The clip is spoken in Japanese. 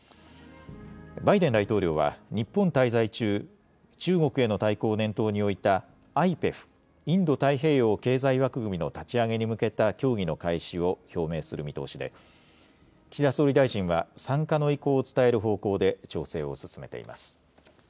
バイデン大統領は日本滞在中、中国への対抗を念頭に置いたＩＰＥＦ・インド太平洋経済枠組みの立ち上げに向けた協議の開始を表明する見通しで岸田総理大臣は参加の意向を伝える方向で調整を進めています。